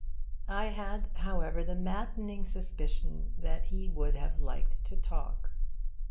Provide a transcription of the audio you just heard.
I had, however, the maddening suspicion that he would have liked to talk.